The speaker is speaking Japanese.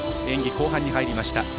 演技後半に入りました。